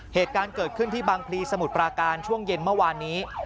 เหตุการณ์เกิดขึ้นที่บางพลีสมุทรปราการช่วงเย็นเมื่อวานนี้